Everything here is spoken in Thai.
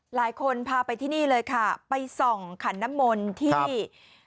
หลายคนพาไปที่นี่เลยค่ะไปส่องขันน้ำมนต์ที่